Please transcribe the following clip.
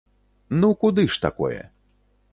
Ну куды ж такое?